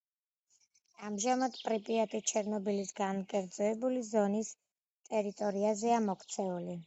ამჟამად პრიპიატი ჩერნობილის განკერძოებული ზონის ტერიტორიაზეა მოქცეული.